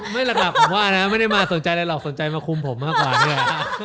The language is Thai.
ไม่หรอกครับผมว่านะไม่ได้มาสนใจอะไรหรอกสนใจมาคุมผมมากกว่าด้วย